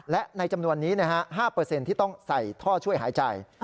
และในจำนวนนี้๕ที่ต้องใส่ท่อช่วยหายใจ